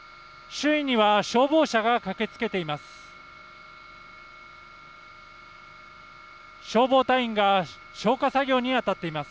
周囲には消防車が駆けつけています。